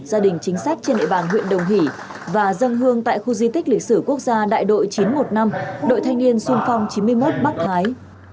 gia đình chính sách trên địa bàn huyện đồng hỷ và dân hương tại khu di tích lịch sử quốc gia đại đội chín trăm một mươi năm đội thanh niên sung phong chín mươi một bắc thái